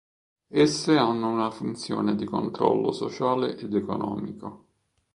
Esse hanno una funzione di controllo sociale ed economico.